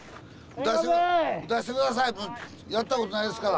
打たして下さいやったことないですから。